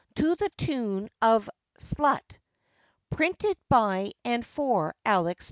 _To the tune of __Slut_. Printed by and for Alex.